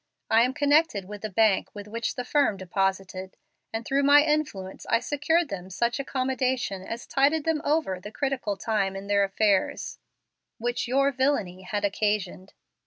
I am connected with the bank with which the firm deposited, and through my influence I secured them such accommodation as tided them over the critical time in their affairs which your villany had occasioned."